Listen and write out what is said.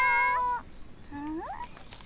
うん？